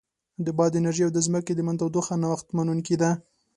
د باد انرژي او د ځمکې د منځ تودوخه نوښت منونکې ده.